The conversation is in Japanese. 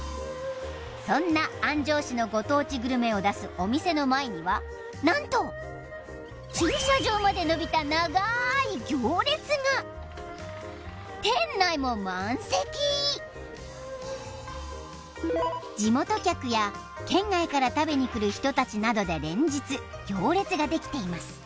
そんな安城市のご当地グルメを出すお店の前には何と駐車場まで延びた店内も満席地元客や県外から食べに来る人たちなどで連日行列ができています